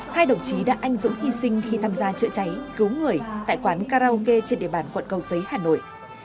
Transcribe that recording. hai đồng chí đã anh dũng hy sinh khi tham gia chữa cháy cứu người tại quán karaoke trên địa bàn quận cầu giấy hà nội